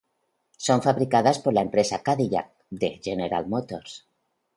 Son fabricadas por la empresa Cadillac de General Motors.